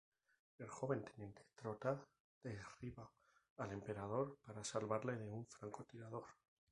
El joven teniente Trotta derriba al emperador para salvarle de un francotirador.